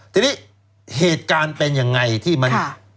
ทีนี้เหตุการณ์เป็นยังไงที่มัน